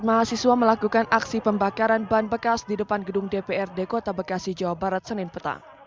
mahasiswa melakukan aksi pembakaran ban bekas di depan gedung dprd kota bekasi jawa barat senin petang